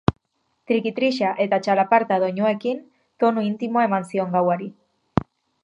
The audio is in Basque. Trikitixa eta txalaparta doinuekin, tonu intimoa eman zion gauari.